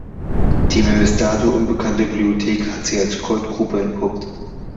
Die mir bis dato unbekannte Bibliothek hat sich als Goldgrube entpuppt.